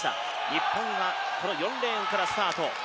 日本は、この４レーンからスタート。